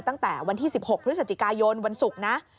ตั้งแต่วันที่๑๖พฤศจิกายนวันศุกร์นะ